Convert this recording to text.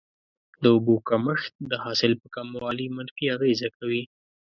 د اوبو کمښت د حاصل په کموالي منفي اغیزه کوي.